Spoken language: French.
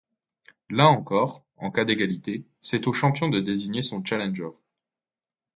Là encore, en cas d'égalité, c'est au champion de désigner son challenger.